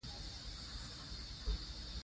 کلتور د افغانستان د ځمکې د جوړښت نښه ده.